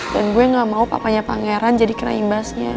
dan gue gak mau papanya pangeran jadi kena imbasnya